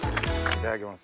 いただきます。